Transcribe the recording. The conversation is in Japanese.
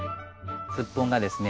スッポンがですね